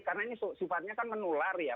karena ini sifatnya kan menular ya